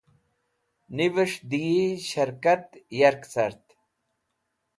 Nives̃h dẽ yi sharkat yark cart.